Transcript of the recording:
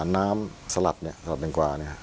น้ำสลัดเนี่ยสลัดแตงกว่าเนี่ย